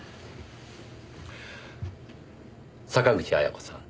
坂口彩子さん